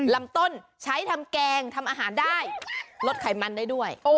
ลำต้นใช้ทำแกงทำอาหารได้ลดไขมันได้ด้วย